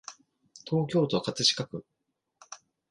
東京都葛飾区